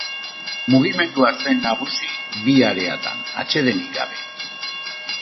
Mugimendua zen nagusi bi areatan, atsedenik gabe.